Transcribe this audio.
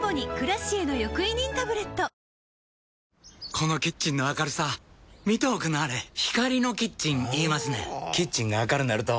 このキッチンの明るさ見ておくんなはれ光のキッチン言いますねんほぉキッチンが明るなると・・・